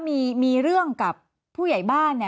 มีเรื่องกับผู้ใหญ่บ้าน